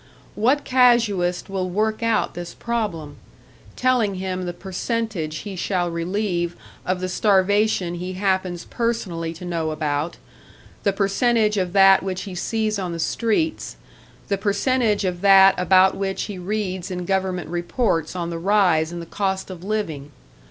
What casuist will work out this problem telling him the percentage he shall relieve of the starvation he happens personally to know about, the percentage of that which he sees on the streets, the percentage of that about which he reads in government reports on the rise in the cost of living.